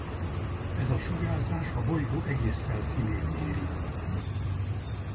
Ez a sugárzás a bolygó egész felszínét éri.